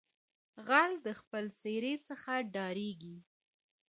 ـ غل دې خپلې سېرې څخه ډاريږي.